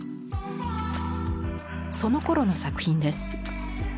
そのころの作品です。